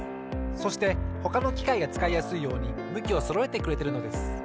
そしてほかのきかいがつかいやすいようにむきをそろえてくれてるのです。